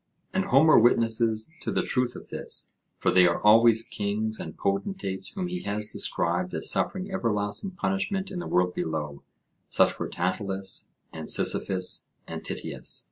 And Homer witnesses to the truth of this; for they are always kings and potentates whom he has described as suffering everlasting punishment in the world below: such were Tantalus and Sisyphus and Tityus.